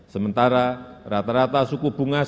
sementara rata rata suku bunga